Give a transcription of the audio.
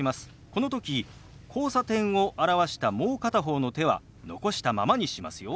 この時「交差点」を表したもう片方の手は残したままにしますよ。